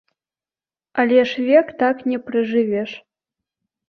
Але ж век так не пражывеш.